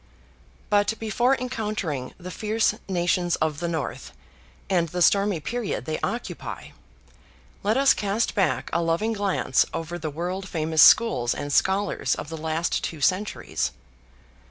But before encountering the fierce nations of the north, and the stormy period they occupy, let us cast back a loving glance over the world famous schools and scholars of the last two centuries.